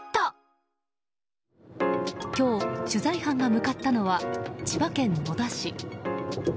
今日、取材班が向かったのは千葉県野田市。